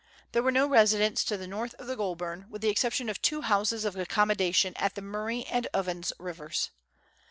There were no residents to the north of the Goulburn, with the exception of two houses of accommodation at the Murray and Ovens rivers.